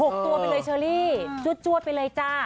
ตัวไปเลยเชอรี่จวดไปเลยจ้า